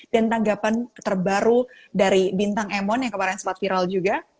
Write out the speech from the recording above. dan tanggapan terbaru dari bintang emon yang kemarin sempat viral juga